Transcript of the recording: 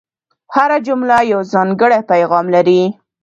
هره جمله یو ځانګړی پیغام لري.